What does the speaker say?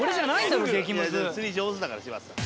釣り上手だから柴田さん。